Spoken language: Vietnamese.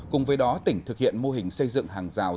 cùng với đó tỉnh thực hiện mô hình xây dựng hàng rào